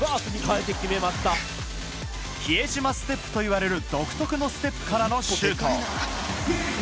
比江島ステップといわれる独特のステップからのシュート。